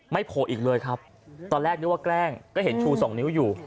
โผล่อีกเลยครับตอนแรกนึกว่าแกล้งก็เห็นชูสองนิ้วอยู่